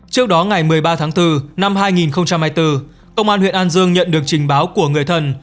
trước đó ngày một mươi ba tháng bốn năm hai nghìn hai mươi bốn công an huyện an dương nhận được trình báo của người thân